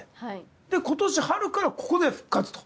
で今年春からここで復活と。